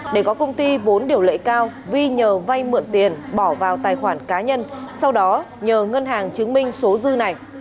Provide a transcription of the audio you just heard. để có công ty vốn điều lệ cao vi nhờ vay mượn tiền bỏ vào tài khoản cá nhân sau đó nhờ ngân hàng chứng minh số dư này